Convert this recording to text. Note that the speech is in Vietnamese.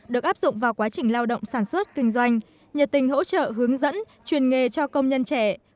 được áp dụng vào quá trình lao động sản xuất kinh doanh nhiệt tình hỗ trợ hướng dẫn truyền nghề cho công nhân trẻ